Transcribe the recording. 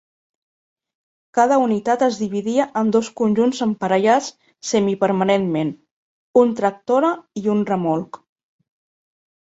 Cada unitat es dividia en dos conjunts emparellats semi-permanentment, un tractora i un remolc.